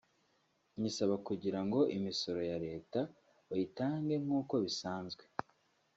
nyisaba kugirango imisoro ya leta bayitange nkuko bisanzwe